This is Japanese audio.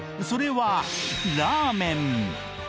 それはラーメン